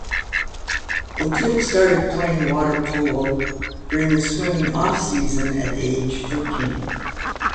O'Toole started playing water polo during the swimming off-season at age thirteen.